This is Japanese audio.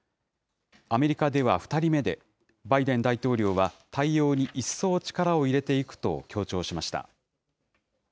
アメリカでは２人目で、バイデン大統領は、対応に一層力を入れていくと強調しました。